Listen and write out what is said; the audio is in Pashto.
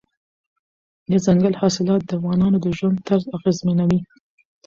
دځنګل حاصلات د افغانانو د ژوند طرز اغېزمنوي.